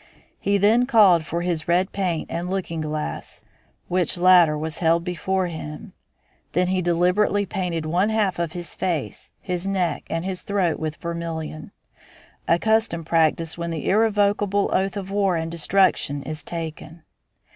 "He then called for his red paint and looking glass, which latter was held before him. Then he deliberately painted one half of his face, his neck, and his throat with vermilion, a custom practised when the irrevocable oath of war and destruction is taken.